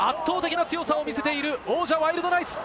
圧倒的な強さを見せている王者・ワイルドナイツ。